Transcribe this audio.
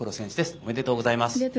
おめでとうございます。